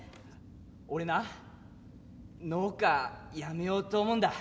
俺な農家辞めようと思うんだ。